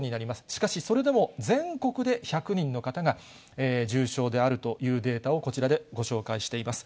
しかし、それでも全国で１００人の方が重症であるというデータを、こちらでご紹介しています。